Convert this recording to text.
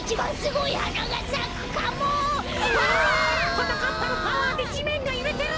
はなかっぱのパワーでじめんがゆれてる！